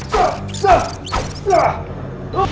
siapa yang datang